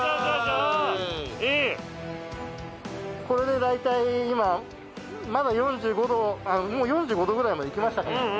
これで大体今まだ４５度あっもう４５度ぐらいまでいきましたね。